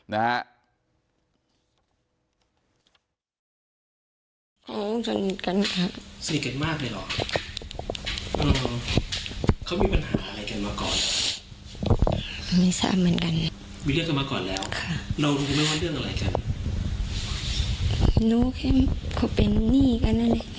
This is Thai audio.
นะฮะ